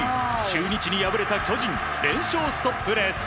中日に敗れた巨人連勝ストップです。